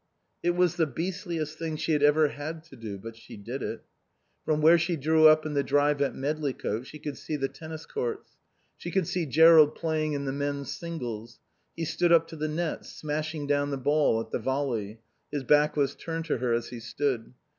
It was the beastliest thing she had ever had to do, but she did it. From where she drew up in the drive at Medlicote she could see the tennis courts. She could see Jerrold playing in the men's singles. He stood up to the net, smashing down the ball at the volley; his back was turned to her as he stood.